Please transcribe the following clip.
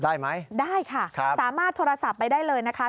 ได้ไหมได้ค่ะสามารถโทรศัพท์ไปได้เลยนะคะ